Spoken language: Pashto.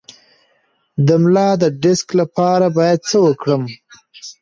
د ملا د ډیسک لپاره باید څه وکړم؟